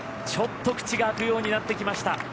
ちょっと口があくようになってきました。